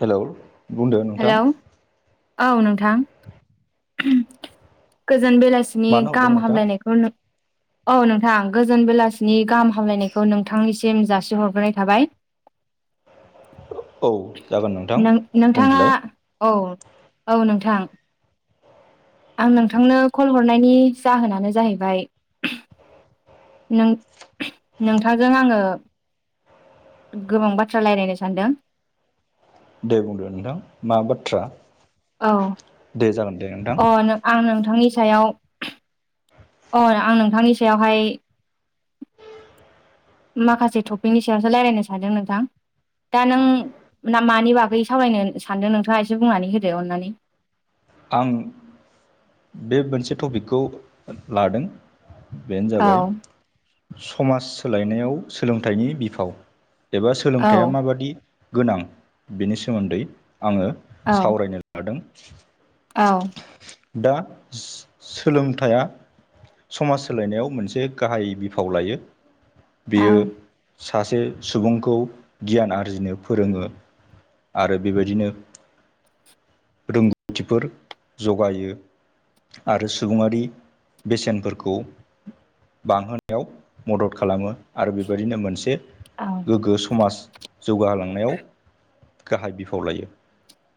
Hello बुंदो hello नोंथां औ नोंथां। गोजोन बेलासिनि मानो गाहाम हरदोंमोन नोंथां हामलायनायखौ नों औ नोंथां गोजोन बेलासिनि गाहाम हामलायनायखौ नोंथांनिसिम जासिहरग्रोनाय थाबाय। औ जागोन नोंथां नों नोंथांङा बुंदोलाय औ औ नोंथ थां आं नोंथांनो कल हरनायनि जाहोनानो जाहैबाय नों नोंथांजों आंङो गोबां बाथ्रा लायरायनो सानदों। दे बुंदो नोंथां मा बाथ्रा? औ दे जागोन। दे नोंथां अ आं नोंथांनि सायाव आं नोंथांनि सायावहाय माखासे टपिकनि सायावसो रायज्लायनो सानदों नोंथां। दा नों मानि बागै सावरायनो सानदों नोंथांङा एसे बुंनानै होदो अननानै। आं बे मोनसे टपिकखौ लादों। बेनो औ जाबाय समाज सोलायनायाव सोलोंथाइनि बिफाव। एबा सोलोंथाइया माबादि गोनां बेनि सोमोन्दै आंङो सावरायनो लादों। औ दा सोलोंथाइया समाज सोलायनायाव मोनसे गाहाय बिफाव लायो बेयो सासे सुबुंखौ गियान आरजिनो फोरोङो। आरो बेबायदिनो फोरों खान्थिफोर जगायो। आरो सुबुङारि बेसेनफोरखौ बांहोनायाव मदद खालामो आरो बेबायदिनो मोनसे गोग्गो समाज जौगाहोलांनायाव गाहाय बिफाव लायो।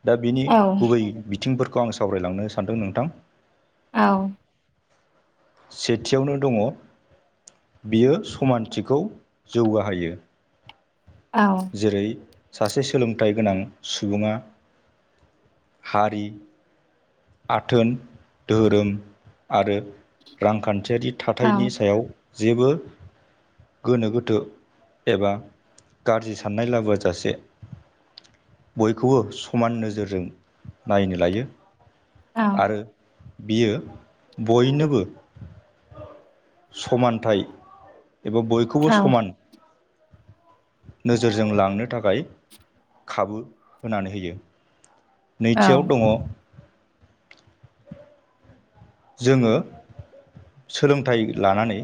दा बिनि गुबै बिथिंफोरखौ आं सावरायलांनो सानदों नोंथां। औ सेथियावनो दङ' बियो समानथिखौ जौगाहोयो। जेरै सासे सोलोंथाइ गोनां सुबुङा हारि आथोन धोरोम आरो रांखान थियारि थाथायनि सायाव जेबो गोनो गोथो एबा गाज्रि साननाय लाबोजासे बयखौबो समान नोजोरजों नायनो लायो। आरो बियो बयनोबो समानथाय एबा बयखौबो समान नोजोरजों लांनो थाखाय खाबु होनानै होयो। नैथियाव दङ जोङो सोलोंथाइ लानानै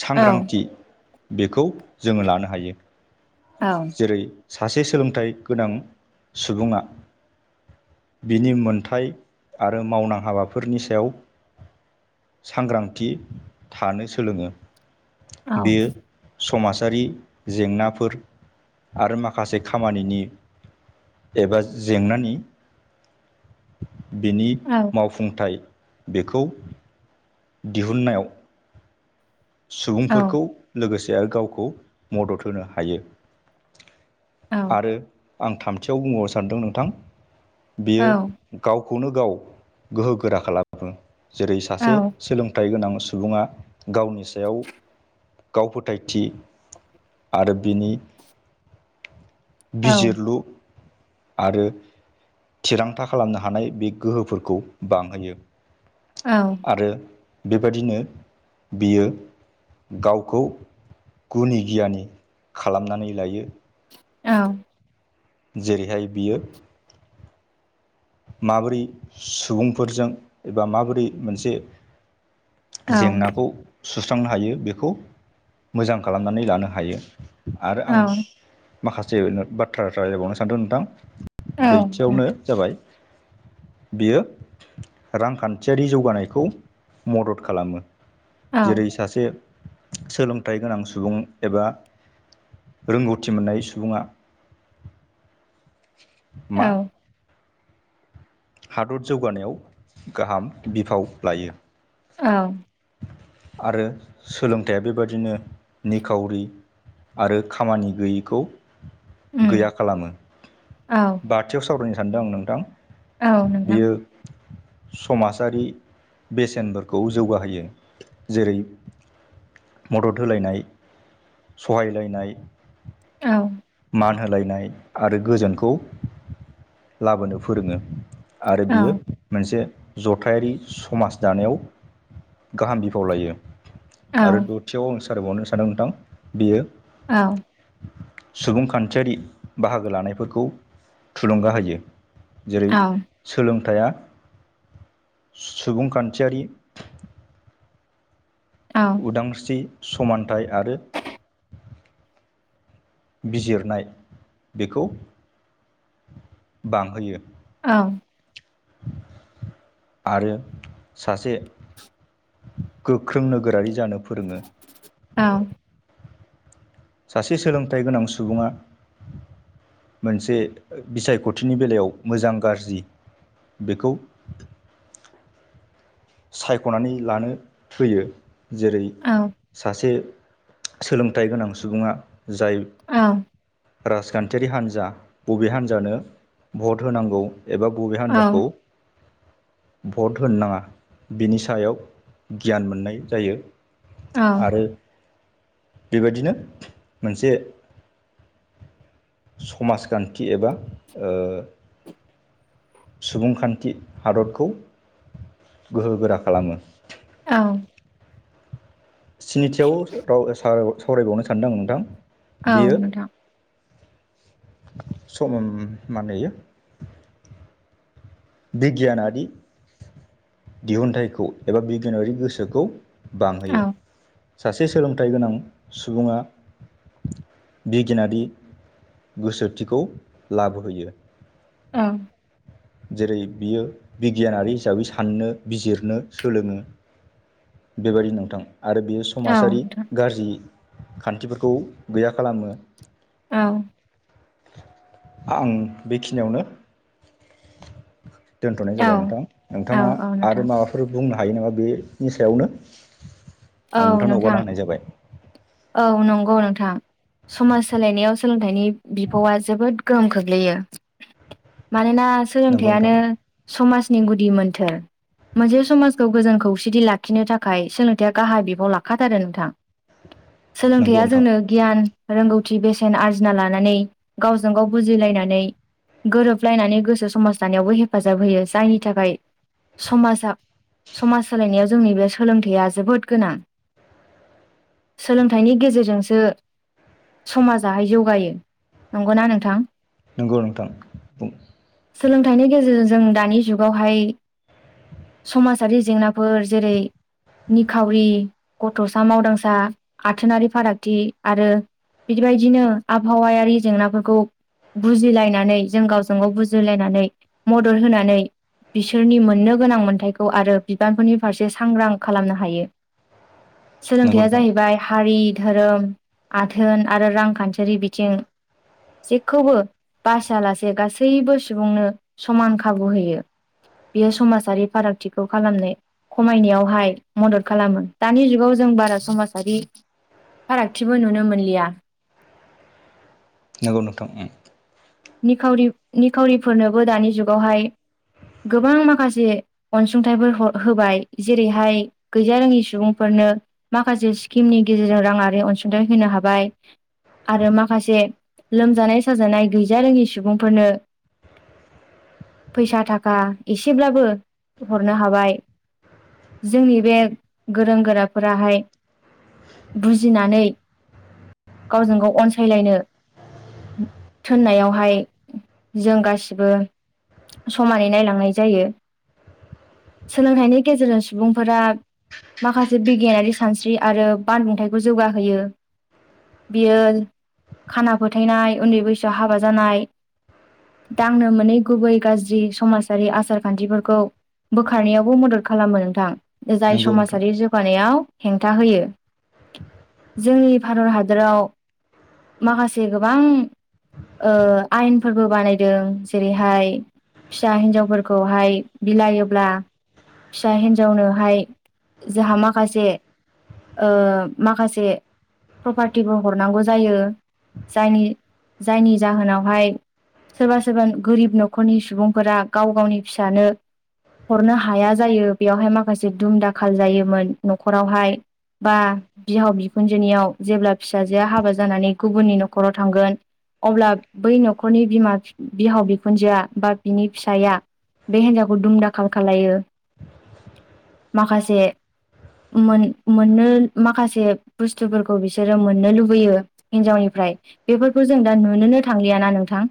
सांग्रांथि बेखौ जोङो लानो हायो। जेरै सासे सोलोंथाइ गोनां सुबुङा बिनि मोनथाय आरो मावनां हाबाफोरनि सायाव सांग्रांथि थानो सोलोङो। औ बेयो समाजारि जेंनाफोर आरो माखासे खामानिनि एबा जेंनानि ए। बिनि मावफुंथाय बेखौ दिहुननायाव सुबुंफोरखौ लोगोसे आरो गावखौ मदद होनो हायो। आरो आं थामथियाव बुंबावनो सानदों नोंथां बियो गाव गावखौनो गाव गोहो गोरा खालामो जेरै सासे सोलोंथाइ गोनां सुबुङा गावनि सायाव गाव फोथायथि आरो बिनि ए बिजिरलु आरो थिरांथा खालामनो हानाय बे गोहोफोरखौ बांहोयो। आरो बेबादिनो बियो गावखौ गुनि गियानि खालामनानै लायो। औ जेरैहाय बियो माबोरै सुबुंफोरजों एबा माबोरै मोनसे जेंनाखौ सुस्रांनो हायो बेखौ मोजां खालामनानै लानो हायो आरो आं माखासे बाथ्रा रायलायबावनो सानदों नोंथां [unintelligible] थियावनो जाबाय बियो रांखान्थियारि जौगानायखौ मदद खालामो। जेरै सासे सोलोंथाइ गोनां सुबुं एबा रोंगौथि मोननाय सुबुङा मा हादर जौगानायाव गाहाम बिफाव लायो औ। आरो सोलोंथाइया बेबादिनो निखावरि आरो खामानि गैयैखौ गैया खालामो। बाथियाव सावरायनो सान्दों आं नोंथां औ नोंथां। बियो समाजारि बेसेनफोरखौ जौगाहोयो जेरै मदद होलायनाय सहायलायनाय औ। मान होलायनाय आरो गोजोनखौ लाबोनो फोरोङो आरो बियो मोनसे जथायारि समाज दानायाव गाहाम बिफाव लायो आरो दथियाव आम सावरायबावनो सानदों नोंथां बेयो औ। सुबुंखान्थियारि बाहागो लानायफोरखौ थुलुंगा होयो जेरै सोलों थाया सुबुंखान्थियारि उदांस्रि समानथाइ आरो बिजिरनाय बेखौ बांहोयो औ। आरो सासे गोख्रों नोगोरारि जानो फोरोङो। सासे सोलोंथाइ गोनां सुबुङा मोनसे बिसायख'थिनि बेलायाव मोजां गाज्रि बेखौ [inaudible] सायख'नानै लानो फैयो जेरै सासे सोलोंथाइ गोनां सुबुङा जाय राजखान्थियारि हान्जा बबे हान्जानो भट होनांगौ एबा बबे हान्जाखौ भट होनो नाङा बिनि सायाव गियान मोननाय जायो आरो बेबायदिनो मोनसे समाजखान्थि एबा ओ सुबुंखान्थि हादरखौ गोहोगोरा खालामो। औ। स्निथियाव राव सावरायबावनो सान्दों आं नोंथां। औ बेयो नोंथां। सम मा होनो इयो बिगियानारि दिहुनथाइखौ एबा बिगियानारि गोसोखौ औ बांहोयो। सासे सोलोंथाइ गोनां सुबुङा बिगियानारि गोसोथिखौ लाबोहोयो। औ। जेरै बियो बिगियानारि हिसाबै साननो बिजिरनो सोलोङो बेबायदि नोंथां आरो बेयो औ समाजारि नोंथां गाज्रि खान्थिफोरखौ गैया खालामो। औ। आं बेखिनियावनो दोन्थ'नाय औ जाबाय नोंथां औ नोंथाङा औ नोंथां आरो माबाफोर बुंनो हायो नामा बेनि सायावनो? औ आं नोंथांनो नोंथां हगारना होनाय जाबाय औ नंगौ नोंथां समाज सोलायनायाव सोलोंथाइनि बिफावा जोबोद गोहोम खोख्लैयो मानो ना नंगौ नोंथां सोलोंथाइानो समाज नि गुदि मोन्थोर मोनसे समाजखौ गोजोन खौसेथि लाखिनो थाखाय सोलों थाइआ गाहाय बिबाव लाखाथारो नोंथां नंगौ सोलोंथाइया नोंथां जोंनो गियान रोंगौथि बेसेन आरजिना लानानै गावजों गाव बुजिलायनानै गोरोबलायनानै गोसो समाज दानायावबो हेफाजाब होयो जायनि थाखाय समाजा समाज सोलायनायाव जोंनि बे सोलोंथाइया जोबोद गोनां सोलोंथाइनि गेजेरजोंसो समाजाहाय जौगायो नंगौना नोंथां? नंगौ नोंथां बुं सोलोंथाइनि गेजेरजों जों दानि जुगावहाय समाजारि जेंनाफोर जेरै निखावरि गथ'सा मावदांसा आथोनारि फारागथि आरो बिदिबायदिनो आबहावायारि जेंनाफोरखौ बुजिलायनानै जों गावजों गाव बुजिलायनानै मदद होनानै बिसोरनि मोननो गोनां मोन्थायखौ आरो बिबानफोरनि फारसे सांग्रां खालामनो हायो नंगौ सोलोंथाइया नोंथां जाहैबाय हारि धोरोम, आथोन आरो रांखान्थियारि बिथिं जेखौबो बासियालासे गासैबो सुबुंनो समान खाबु होयो। बियो समाजारि फारागथिखौ खालामनो खमायनायावहाय मदद खालामो दानि जुगाव जों बारा समाजारि फारागथिबो नुनो मोनलिया [inaudible] नंगौ नोंथां उम निखावरि रि निखावरिफोरनोबो दानि जुगावहाय गोबां माखासे अनसुंथाइफोर ह होबाय जेरैहाय गैजा रोङि सुबुंफोर नो माखासे स्किमनि गेजेरजों राङारि अनसुंथाइ होनो हाबाय आरो माखासे लोमजानाय साजानाय गैजा रोङि सुबुंफोरनो फैसा थाखा एसेब्लाबो हरनो हाबाय जोंनि बे गोरों गोराफोराहाय बुजिनानै गावजों गाव अनसायलायनो [inaudible] थोननायावहाय जों गासिबो समानै नायलांनाय जायो सोलोंथाइनि गेजेरजों सुबुंफोरा माखासे बिगियानारि सानस्रि आरो बानबुंथायाइखौ जौगाहोयो बियो खाना फोथायनाय उन्दै बैसोआव हाबा जानाय दांनो मोनै गुबै गाज्रि समाजारि आसार खान्थिफोरखौ बोखारनायावबो मदद खालामो नोंथां जाय नंगौ नोंथां समाजारि जौगानायाव हेंथा होयो जोंनि भारत हादराव माखासे गोबां ओ आयेनफोरबो बानायदों जेरैहाय फिसा हिनजावफोरखौहाय बिलायोब्ला फिसा हिन्जावनोहाय जोंहा माखासे ओ माखासे प्रर्पाटिबो हरनांगौ जायो जायनि जायनि जाहोनावहाय सोरबा सोरबा गोरिब न'खरनि सुबुंफोरा गाव गावनि फिसानो हरनो हाया जायो बेवहाय माखासे दुम दाखाल जायोमोन न'खरावहाय बा बिहाव बिखुनजोनियाव जेब्ला फिसाजोआ हाबा जानानै गुबुननि न'खराव थांगोन अब्ला बै न'खरनि बिमा बिहाव बिखुनजोआ बा बिनि फिसाया बे हिनजावखौ दुमदाखाल खालायो माखासे मोन मोननो माखासे बुस्थुफोरखौ बिसोरो मोननो लुबैयो हिनजावनि फ्राय बेफोरखौ जों दा नुनोनो थांलियाना नोंथां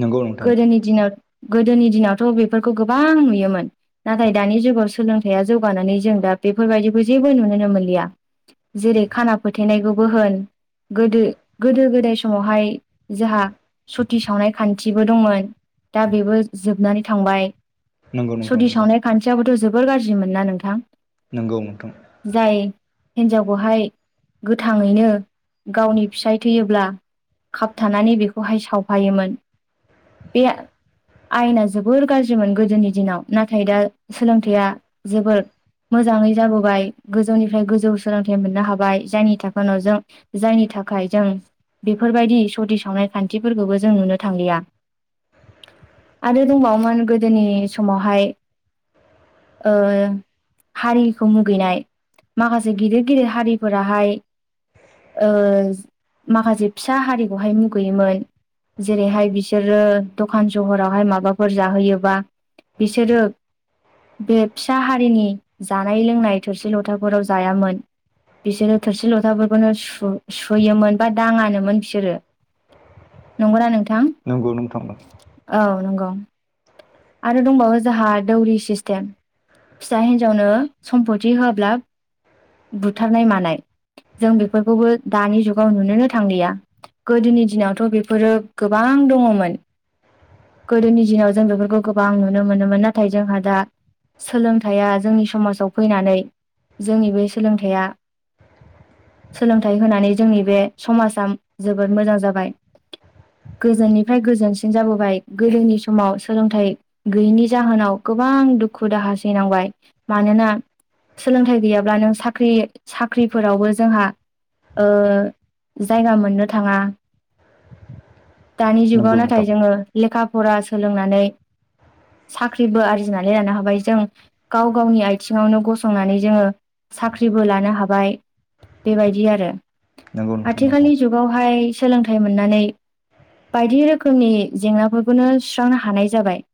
नंगौ नोंथां गोदोनि दिनाव गोदोनि दिनावथ' बेफोरखौ गोबां नुयोमोन नाथाय दानि जुगाव सोलोंथाइया जौगानानै जों दा बेफोरबायदिखौ जेबो नुनोनो मोनलिया जेरै खाना फोथेनायखौबो होन गोदो गोदो गोदाय समाव हाय जोंहा सुत सावनाय खान्थिबो दंमोन दा बेबो जोबनानै थांबाय नंगौ नोंथां नंगौ सति सावनाय खान्थियाबोथ' जोबोर गाज्रिमोन ना नोंथां नोंगौ नोंथां हिनजावखौहाय गोथाङैनो गावनि फिसाय थैयोब्ला खाबथानानै बेखौहाय सावफायोमोन बे आयेना जोबोर गाज्रिमोन गोदोनि दिनाव नाथाय दा सोलोंथाइया जोबोर मोजाङै जाबोबाय गोजौनिफ्राय गोजौ सोलोंथाइ मोननो हाबाय जायनि थाखाय न'जों जायनि थाखाय जों बेफोरबायदि सति सावनाय खान्थिफोरखौबो जों नुनो थांलिया आरो दंबावोमोन गोदोनि समावहाय ओ हारिखौ मुगैनाय माखासे गिदिर गिदिर हारिफोराहाय ओ माखासे फिसा हारिखौहाय मुगैयोमोन जेरैहाय बिसोरो दखान सहरावहाय माबाफोर जाहोयोबा बिसोरो बे फिसा हारिनि जानाय लोंनाय थोरसि लथाफोराव जायामोन बिसोरो थोरसि लथाफोरखौनो सुयोमोन बा दाङा मोन बिसोरो नंगौना नोंथां नंगौ नोंथां औ नंगौ आरो दंबावो जोंहा दौरि सिस्टेम फिसा हिन्जावनो सम्फति होआला बुथारनाय मानाय जों बेफोरखौबो दानि जुगाव नुनोनो थांलिया गोदोनि दिनावथ' बेफोरो गोबां दङमोन गोदोनि दिनाव जों बेफोरखौ गोबां नुनो मोनोमोन नाथाय जोंहा दा सोलोंथाइया जोंनि समाजाव फैनानै जोंनि बे सोलोंथाइया सोलोंथाइ होनानै जोंनि बे समाजा जोबोद मोजां जाबाय गोजोननिफ्राय गोजोनसिन जाबोबाय गोदोनि समाव सोलोंथाइ गैयैनि जाहोनाव गो गोबां दुखु दाहा सैनांबाय मानोना सोलोंथाइ गैयाब्ला नों साख्रि साख्रिफोरावबो जोंहा ओ जायगा मोननो थांङा दानि जुगाव नाथाय जोंङो लेखा फरा सोलोंनानै साख्रिबो आरजिनानै लानो हाबाय जों गाव गावनि आथिङावनो गसंनानै जोङो साख्रिबो लानो हाबाय बेबायदि आरो नंगौ नोंथां नंगौ आय सोलोंथाइ मोननानै बायदि रोखोमनि जेंनाफोरखौनो सुस्रांनो हानाय जाबाय